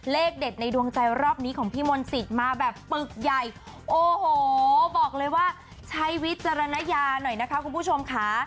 เลขเด็ดในดวงใจรอบนี้ของพี่มนต์สิทธิ์มาแบบปึกใหญ่โอ้โหบอกเลยว่าใช้วิจารณญาหน่อยนะคะคุณผู้ชมค่ะ